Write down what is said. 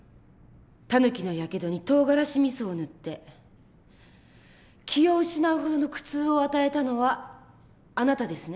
タヌキのやけどにとうがらしみそを塗って気を失うほどの苦痛を与えたのはあなたですね？